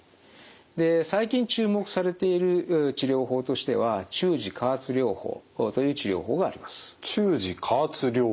で最近注目されている治療法としては中耳加圧療法どんな治療法ですか？